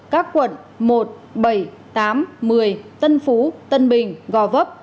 các quận một bảy tám một mươi tân phú tân bình gò vấp